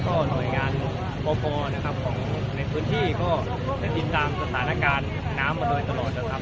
หน่วยงานพอนะครับของในพื้นที่ก็ได้ติดตามสถานการณ์น้ำมาโดยตลอดนะครับ